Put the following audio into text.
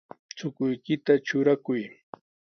Chukuykita trurakuy.